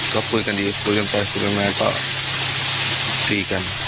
ก็พูดกันดีพูดกันปล่อยพูดกันมาก็ดีกัน